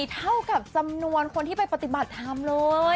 เท่ากับจำนวนคนที่ไปปฏิบัติธรรมเลย